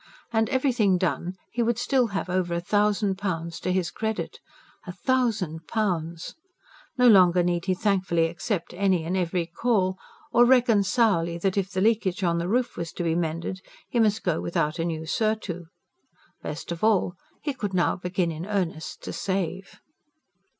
And, everything done, he would still have over a thousand pounds to his credit. A thousand pounds! No longer need he thankfully accept any and every call; or reckon sourly that, if the leakage on the roof was to be mended, he must go without a new surtout. Best of all, he could now begin in earnest to save.